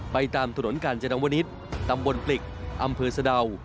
ไปตามถนนกาญจนวนิษฐ์ตำบลปลิกอำเภอสะดาว